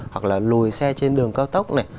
hoặc là lùi xe trên đường cao tốc này